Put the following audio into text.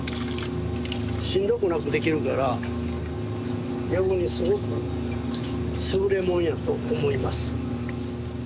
しんどくなくできるから逆にすごく優れもんやと思います。